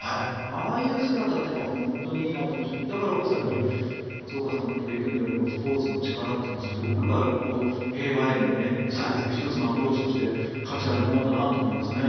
ああいう姿って本当にいいなと思うしだからこそ松岡さんが取り組んでいるこのスポーツの力というのはすごく平和に結びつく１つのアプローチとして価値あるものだと思いますね。